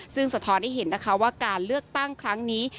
ซึ่งสะท้อนให้เห็นนะคะว่าการเลือกตั้งครั้งนี้